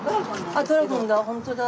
あドラゴンだ。